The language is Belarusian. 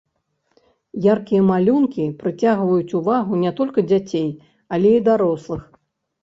Яркія малюнкі прыцягваюць увагу не толькі дзяцей, але і дарослых.